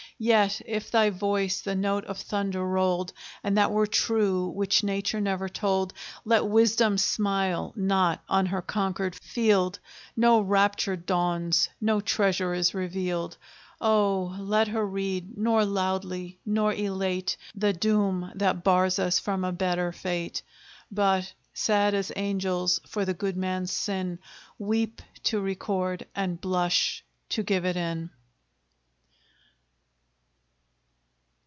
Yet if thy voice the note of thunder rolled, And that were true which Nature never told, Let Wisdom smile not on her conquered field: No rapture dawns, no treasure is revealed. Oh! let her read, nor loudly, nor elate, The doom that bars us from a better fate; But, sad as angels for the good man's sin, Weep to record, and blush to give it in!